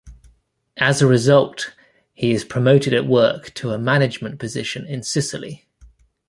As a result, he is promoted at work to a management position in Sicily.